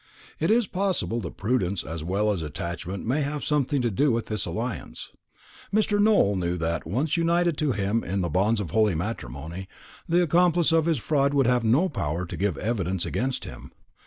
It is possible that prudence as well as attachment may have had something to do with this alliance. Mr. Nowell knew that, once united to him in the bonds of holy matrimony, the accomplice of his fraud would have no power to give evidence against him.